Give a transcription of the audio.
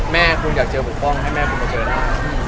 แม่คุณอยากเจอปกป้องให้แม่คุณมาเจอหน้า